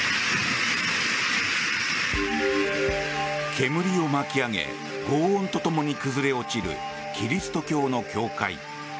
煙を巻き上げごう音とともに崩れ落ちるキリスト教の教会。